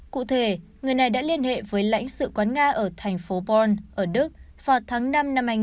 cụ thể người này đã liên hệ với lãnh sự quán nga ở thành phố bon ở đức vào tháng năm năm hai nghìn một mươi ba